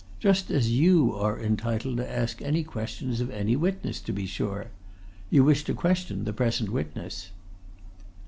Just as you are entitled to ask any questions of any witness, to be sure. You wish to question the present witness?"